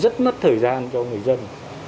rất mất thời gian cho người dân